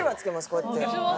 こうやって。